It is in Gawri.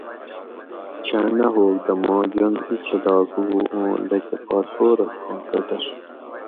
چھاں نہ ھوگ دہ ما جوند ایں چھلاگ ہو اوں لکہ فاسفورساں کۤٹر